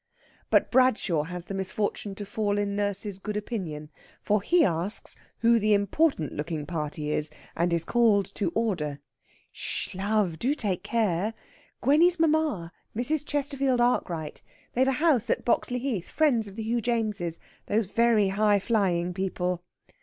But Bradshaw has the misfortune to fall in Nurse's good opinion. For he asks who the important looking party is, and is called to order. "Sh sh iii sh, love! Do take care! Gwenny's mamma Mrs. Chesterfield Arkwright. They've a house at Boxley Heath friends of the Hugh Jameses those very high flying people."